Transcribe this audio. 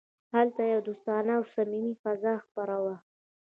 هلته یوه دوستانه او صمیمي فضا خپره وه